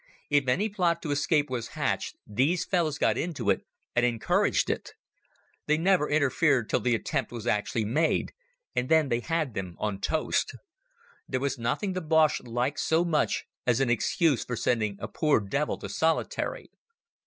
If any plot to escape was hatched these fellows got into it and encouraged it. They never interfered till the attempt was actually made and then they had them on toast. There was nothing the Boche liked so much as an excuse for sending a poor devil to "solitary".